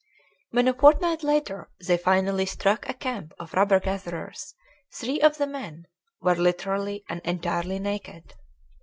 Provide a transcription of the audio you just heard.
When a fortnight later they finally struck a camp of rubber gatherers three of the men were literally and entirely naked.